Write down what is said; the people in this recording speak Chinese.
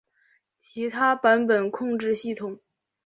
其他版本控制系统